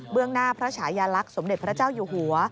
หน้าพระฉายาลักษณ์สมเด็จพระเจ้าอยู่หัว